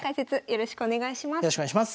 よろしくお願いします。